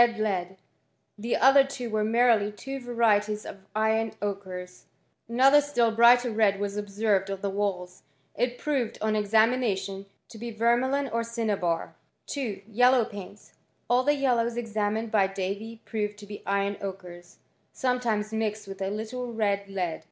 81 ftd lead; the other two were merely two varieties of iron ochres, Ancpther still brighter red was obsen ed on the walls; it proved, on examination, to be vermi lion or cinnabar. 2. Yellow painlg. All the yellows examined by Davy proved to be iron ochres, sometimes mixed with a little red lead.